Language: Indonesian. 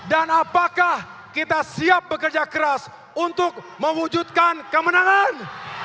dan apakah kita siap bekerja keras untuk mewujudkan kemenangan